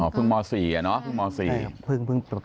อ๋อเพิ่งม๔น่ะเนอะเพิ่งม๔ใช่ครับเพิ่งตก